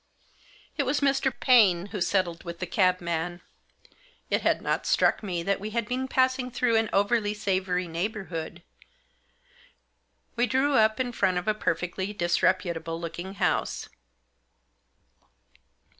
It was Mr. Paine who settled with the cabman. It had not struck me that we had been passing through an over savoury neighbourhood ; we drew up in front of a perfectly disreputable looking house.